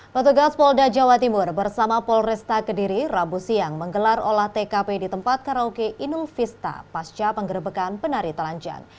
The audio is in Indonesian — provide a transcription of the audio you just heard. petugas polda jawa timur bersama polresta kediri rabu siang menggelar olah tkp di tempat karaoke inul vista pasca penggerbekan penari telanjang